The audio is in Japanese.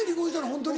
ホントに。